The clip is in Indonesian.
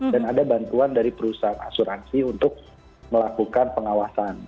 dan ada bantuan dari perusahaan asuransi untuk melakukan pengawasan